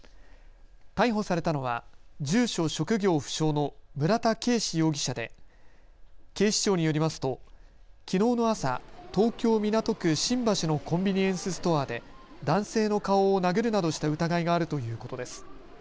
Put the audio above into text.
逮捕されたのは住所・職業不詳の村田圭司容疑者で警視庁によりますときのうの朝、東京港区新橋のコンビニエンスストアで男性の顔を殴るなどした疑いがあるということです。